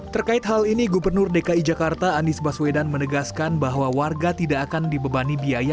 terkait hal ini gubernur dki jakarta anies baswedan menegaskan bahwa warga tidak akan dibebani biaya